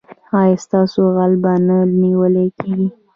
ایا ستاسو غل به نه نیول کیږي؟